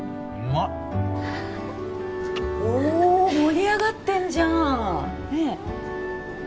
いっおお盛り上がってんじゃんねえ？